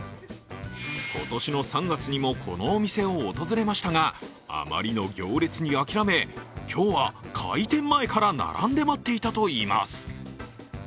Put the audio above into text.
今年の３月にもこのお店を訪れましたが、あまりの行列に諦め今日は、開店前から並んで待っていたといいます。